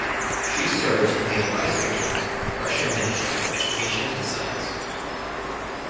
She serves on the advisory council of the Russian Ministry of Education and Science.